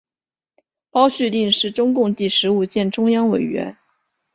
包叙定是中共第十五届中央委员。